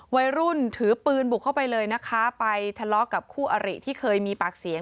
วัยรุ่นถือปืนบุกเข้าไปเลยนะคะไปทะเลาะกับคู่อริที่เคยมีปากเสียง